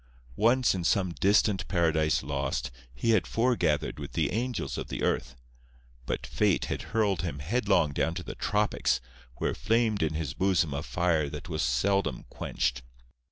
Once in some distant Paradise Lost, he had foregathered with the angels of the earth. But Fate had hurled him headlong down to the tropics, where flamed in his bosom a fire that was seldom quenched.